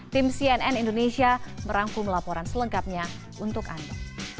tim cnn indonesia merangkum laporan selengkapnya untuk anda